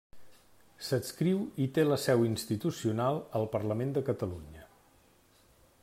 S'adscriu, i té la seu institucional, al Parlament de Catalunya.